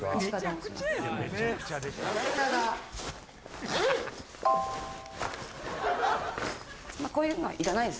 めちゃくちゃやん。